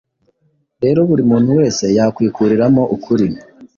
rero buri muntu wese yakwikuriramo ukuri